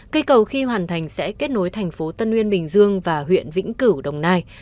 cây cầu khi hoàn thành sẽ kết nối thành phố tân uyên bình dương và huyện vĩnh cửu đồng nai